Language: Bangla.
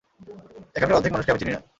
এখানকার অর্ধেক মানুষকেই আমি চিনি না।